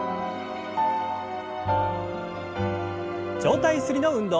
上体ゆすりの運動。